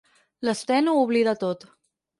L'Sten ho oblida tot.